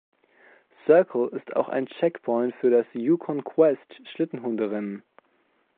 Circle ist auch ein Checkpoint für das Yukon Quest Schlittenhunderennen.